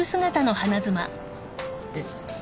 えっ？